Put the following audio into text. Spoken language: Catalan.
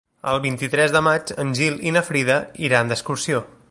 El vint-i-tres de maig en Gil i na Frida iran d'excursió.